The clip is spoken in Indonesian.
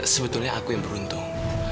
sebetulnya aku yang beruntung